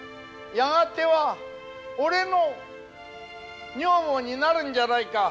やがては俺の女房になるんじゃないか。